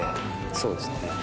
そうですね。